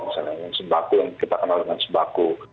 misalnya yang sembaku yang kita kenal dengan sembaku